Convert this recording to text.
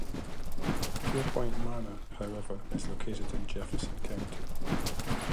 Pierrepont Manor, however, is located in Jefferson County.